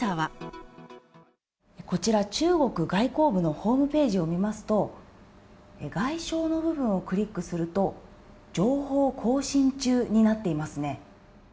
こちら、中国外交部のホームページを見ますと、外相の部分をクリックすると、情報更新中になっていますね。